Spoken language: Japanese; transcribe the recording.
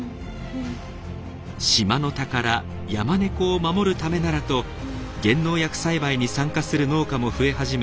島の宝ヤマネコを守るためならと減農薬栽培に参加する農家も増え始め